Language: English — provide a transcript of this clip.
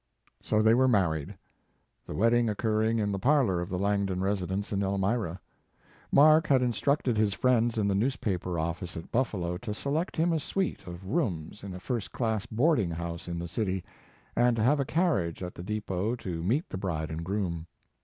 So they were married, the wedding oc curring in the parlor of the L,angdon residence in Elmira. Mark had in structed his friends in the newspaper office at Buffalo to select him a suite of rooms in a first class boarding house in the city, and to have a carriage at the depot to meet the bride and groom.